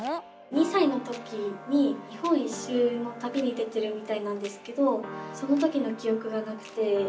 ２さいの時に日本一周のたびに出てるみたいなんですけどその時のきおくがなくて。